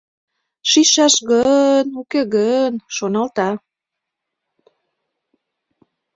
«Шичшаш гын, уке гын?» — шоналта.